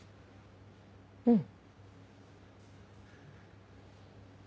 うん。